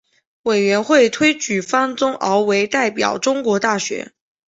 委员会推举方宗鳌为代表中国大学。